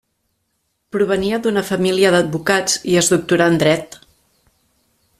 Provenia d'una família d'advocats i es doctorà en dret.